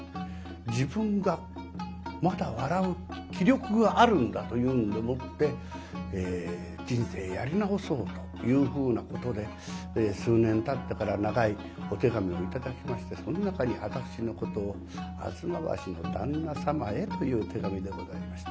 自分がまだ笑う気力があるんだというんでもって人生やり直そうというふうなことで数年たってから長いお手紙を頂きましてその中に私のことを「吾妻橋の旦那様へ」という手紙でございました。